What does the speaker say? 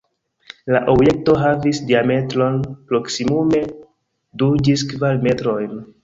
La objekto havis diametron proksimume du ĝis kvar metrojn.